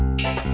gak usah bayar